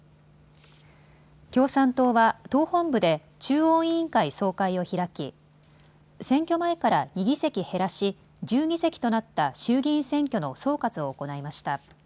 共産党は党本部で中央委員会総会を開き選挙前から２議席減らし、１０議席となった衆議院選挙の総括を行いました。